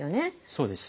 そうです。